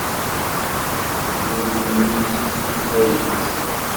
Nnulen-iyi-d deg tayet.